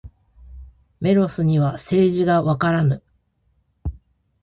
メロスには政治がわからぬ。